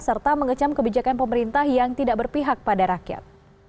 serta mengecam kebijakan pemerintah yang tidak berpihak pada rakyat